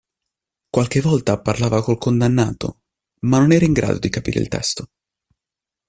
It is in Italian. Qualche volta parlava col condannato, ma non era in grado di capire il testo.